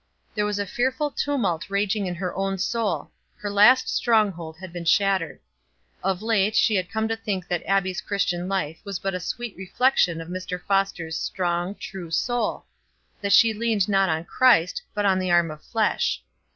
There was a fearful tumult raging in her own soul; her last stronghold had been shattered. Of late she had come to think that Abbie's Christian life was but a sweet reflection of Mr. Foster's strong, true soul; that she leaned not on Christ, but on the arm of flesh.